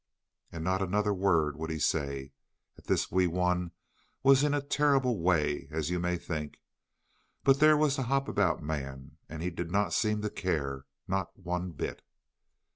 And not another word would he say. At this Wee Wun was in a terrible way, as you may think. But there was the Hop about Man, and he did not seem to care, not one bit.